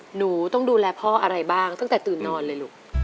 หนูต้องดูแลพ่ออะไรบ้างตั้งแต่ตื่นนอนเลยลูก